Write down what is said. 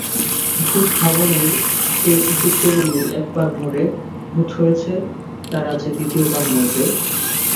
ভূতভাবনের যে ভৃত্যগুলি একবার মরে ভূত হয়েছে তারা যে দ্বিতীয় বার মরবে।